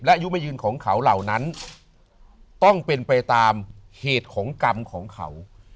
อายุไม่ยืนของเขาเหล่านั้นต้องเป็นไปตามเหตุของกรรมของเขา